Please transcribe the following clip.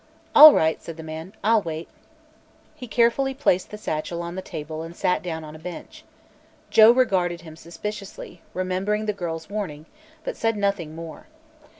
"All right," said the man, "I'll wait." He carefully placed the satchel on the table and sat down on a bench. Joe regarded him suspiciously, remembering the girl's warning, but said nothing more.